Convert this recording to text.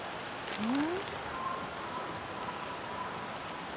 うん。